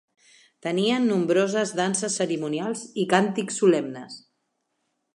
Tenien nombroses danses cerimonials i càntics solemnes.